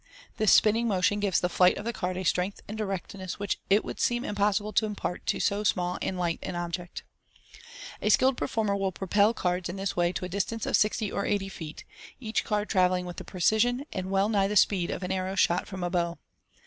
This spinning motion gives the flight of the card a strength and direct ness which it would seem impossible to impart to so small and light1 an object A skilled performer will propel cards in this way to a distance of sixty or eighty feet, each card travelling with the precision, and well nigh the speed, of an arrow shot from a bow.